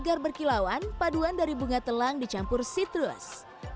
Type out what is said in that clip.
segar berkilauan paduan dari bunga telang dicampur sitrus